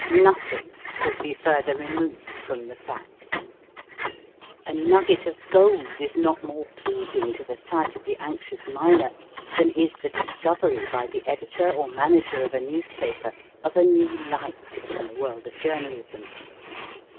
Nothing could be further removed from the fact. A nugget of gold is not more pleasing to the sight of the anxious miner than is the discovery by the editor or manager of a newspaper of a new light in the world of journalism.